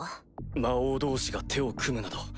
魔王同士が手を組むなど。